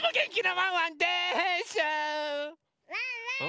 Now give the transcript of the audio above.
・ワンワーン！